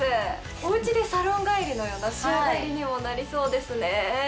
お家でサロン帰りのような仕上がりにもなりそうですね。